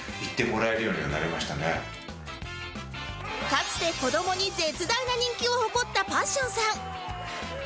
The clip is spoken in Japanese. かつて子どもに絶大な人気を誇ったパッションさん